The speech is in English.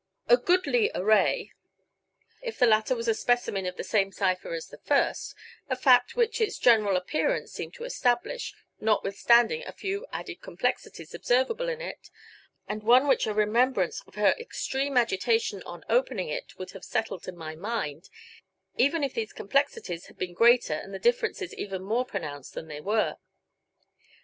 A goodly array, if the latter was a specimen of the same cipher as the first, a fact which its general appearance seemed to establish, notwithstanding the few added complexities observable in it, and one which a remembrance of her extreme agitation on opening it would have settled in my mind, even if these complexities had been greater and the differences even more pronounced than they were.